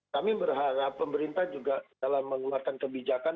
kami berharap pemerintah juga dalam mengeluarkan kebijakan